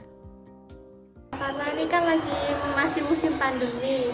karena ini kan lagi masih musim pandemi